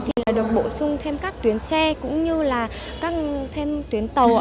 thì được bổ sung thêm các tuyến xe cũng như là các tuyến tàu